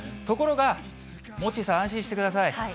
ところが、モッチーさん、安心してください。